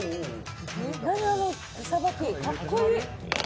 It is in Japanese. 何あのさばき、かっこいい。